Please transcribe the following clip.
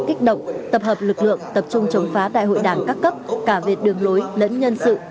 kích động tập hợp lực lượng tập trung chống phá đại hội đảng các cấp cả về đường lối lẫn nhân sự